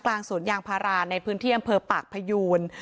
กลางสวนยางพาราในพื้นที่อำเภอปากพยูน